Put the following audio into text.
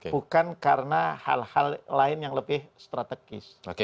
bukan karena hal hal lain yang lebih strategis